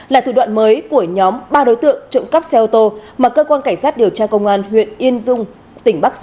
là thủ đoạn mới của nhóm ba đối tượng trộm cắp xe ô tô mà cơ quan cảnh sát điều tra công an huyện yên dung tỉnh bắc giang